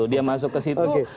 dia masuk ke situ